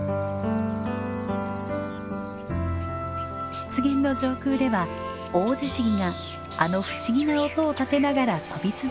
湿原の上空ではオオジシギがあの不思議な音を立てながら飛び続けていました。